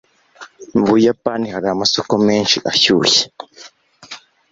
mu buyapani hari amasoko menshi ashyushye